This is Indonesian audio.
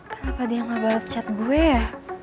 kenapa dia gak bales chat gue ya